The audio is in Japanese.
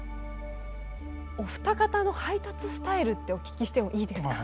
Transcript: お二方の配達スタイルってお聞きしてもいいですか？